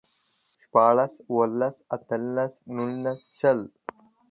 شپاړلس، اوولس، اتلس، نولس، شل